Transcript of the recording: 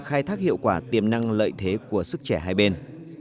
khai thác hiệu quả tiềm năng lợi thế của sức trẻ hai bên